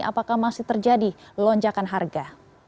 apakah masih terjadi lonjakan harga